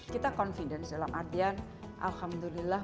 kita confidence dalam artian alhamdulillah